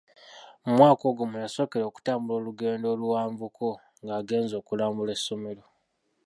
Mu mwaka ogwo mwe yasookera okutambula olugendo oluwanvuko ng'agenze okulambula essomero.